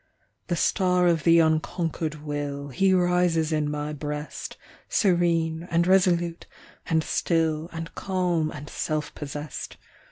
The star of the unconquered will, He rises in my breast, Serene, and resolute, and still, And calm, and self possessed.